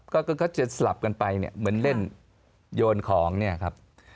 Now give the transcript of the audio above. ก็จะสลับกันไปเนี่ยเหมือนเล่นโยนของเนี่ยครับ